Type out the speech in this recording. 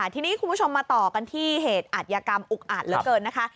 ทีนี้คุณผู้ชมมาต่อกันที่เหตุอัธยกรรมอุกอัดเหลือเกินนะคะ